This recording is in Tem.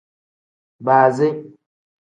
Baazi.